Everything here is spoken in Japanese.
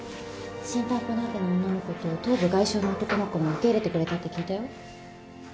心タンポナーデの女の子と頭部外傷の男の子も受け入れてくれたって聞いたよ。